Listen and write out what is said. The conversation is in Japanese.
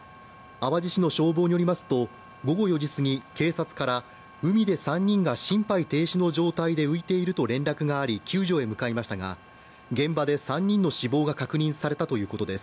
淡路市の消防によりますと、午後４時すぎ、警察から、海で３人が心肺停止の状態で浮いていると通報があり救助へ向かいましたが、現場で３人の死亡が確認されたということです。